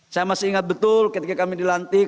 saya masih ingat betul ketika kami dilantik